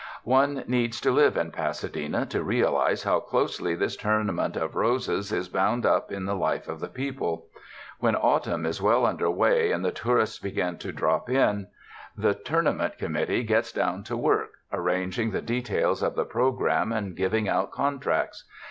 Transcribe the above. One needs to live in Pasadena to realize how closely this Tournament of Roses is bound up in the life of the people. When autumn is well under way and the tourists begin to drop in, the Tournament 221 UNDER THE SKY IN CALIFORNIA Committee gets down to work, arranging tlie de tails of the programme and giving out contracts.